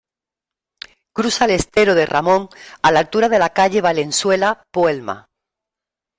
Cruza el estero de Ramón a la altura de la calle Valenzuela Puelma.